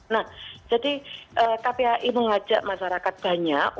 nah jadi kpai mengajak masyarakat banyak